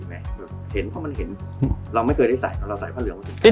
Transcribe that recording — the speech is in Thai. เราไม่เคยได้ใส่เราใส่ผ้าเหลือง